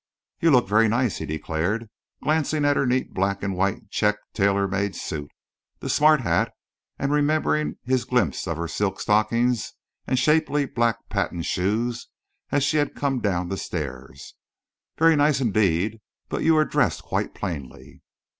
"You look very nice," he declared, glancing at her neat black and white check tailormade suit, the smart hat, and remembering his glimpse of her silk stockings and shapely black patent shoes as she had come down the stairs; "very nice indeed, but you are dressed quite plainly."